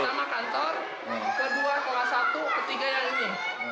sama kantor kedua kelas satu ketiga yang ini